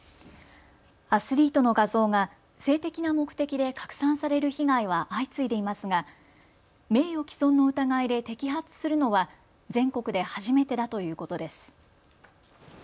アスリートの画像が性的な目的で拡散される被害は相次いでいますが名誉毀損の疑いで摘発するのは全国で初めてだということです。